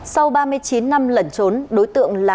sau ba mươi chín năm lẩn trốn đối tượng là